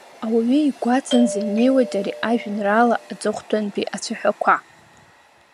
Ауаҩы игәаҵанӡа инеиуеит ари ажәеинраала аҵыхәтәантәи ацәаҳәақәа…